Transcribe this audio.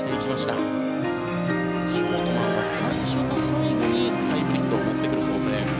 ショートマンは最初と最後にハイブリッドを持ってくる構成。